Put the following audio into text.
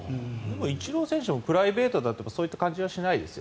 イチロー選手もプライベートだとそういった感じはしないですよ。